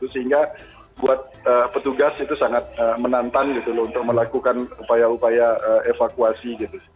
sehingga buat petugas itu sangat menantang untuk melakukan upaya upaya evakuasi